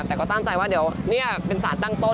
แต่ก็ตั้งใจว่าเดี๋ยวนี่เป็นสารตั้งต้น